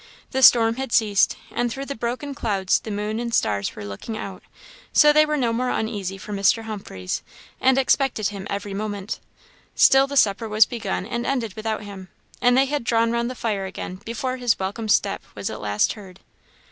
The storm had ceased, and through the broken clouds the moon and stars were looking out, so they were no more uneasy for Mr. Humphreys, and expected him every moment. Still the supper was begun and ended without him, and they had drawn round the fire again before his welcome step was at last heard.